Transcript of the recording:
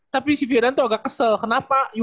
tapi si vio dan tuh agak kesel kenapa yuda terus yang nonton